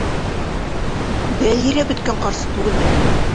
Бәлйерәп бөткән ҡарсыҡ түгелмен әле.